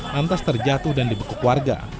lantas terjatuh dan dibekuk warga